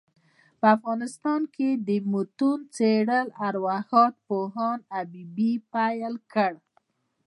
په افغانستان کي دمتونو څېړل ارواښاد پوهاند حبیبي پيل کړ.